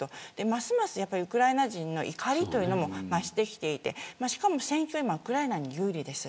ますますウクライナ人の怒りも増してきていてしかも、戦況は今、ウクライナに有利です。